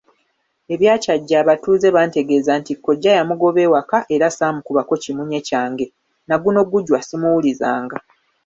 Ebya Kyajja, abatuuze bantegeeza nti kkojja yamugoba ewaka era ssaamukubako kimunye kyange nagunogujwa ssimuwulizanga.